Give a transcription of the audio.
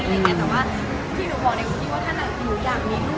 แต่ว่าที่หนูบอกในคุณที่ว่าถ้าหนักหนูอยากมีลูก